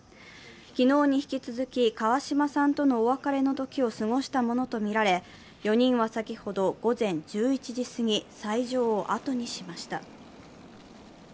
昨日に引き続き、川嶋さんとのお別れの時を過ごしたものとみられ４人は先ほど午前１１時すぎ、斎場を後にしました。